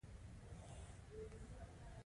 هغه هغې ته د امید سترګو کې صادقانه لید وکړ.